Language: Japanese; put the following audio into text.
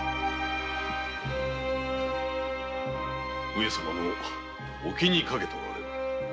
上様もお気にかけておられる。